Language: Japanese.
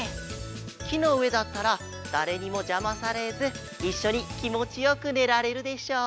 きのうえだったらだれにもじゃまされずいっしょにきもちよくねられるでしょ。